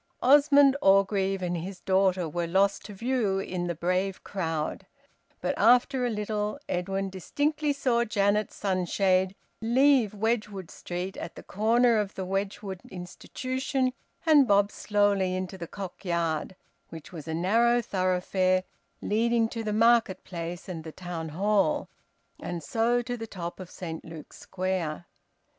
Osmond Orgreave and his daughter were lost to view in the brave crowd; but after a little, Edwin distinctly saw Janet's sunshade leave Wedgwood Street at the corner of the Wedgwood Institution and bob slowly into the Cock Yard, which was a narrow thoroughfare leading to the market place and the Town Hall, and so to the top of Saint Luke's Square.